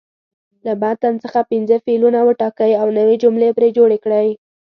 له متن څخه پنځه فعلونه وټاکئ او نوې جملې پرې جوړې کړئ.